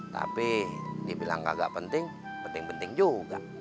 tapi dibilang agak penting penting penting juga